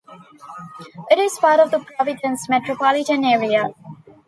It is part of the Providence metropolitan area.